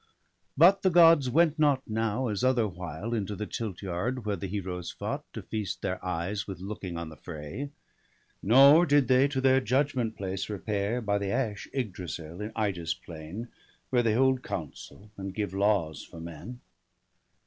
But the Gods went not now, as otherwhile. Into the tilt yard, where the Heroes fought, To feast their eyes with looking on the fray; Nor did they to their judgment place repair By the ash Igdrasil, in Ida's plain. Where they hold council, and give laws for men.